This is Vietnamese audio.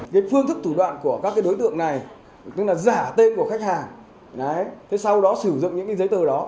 cái phương thức thủ đoạn của các đối tượng này tức là giả tên của khách hàng